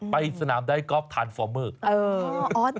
ไปสนามไดกอล์ฟทานฟอร์เมอร์